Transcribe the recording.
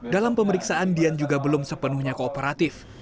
dalam pemeriksaan dian juga belum sepenuhnya kooperatif